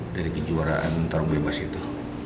dari kejuaraan tarung bebas itu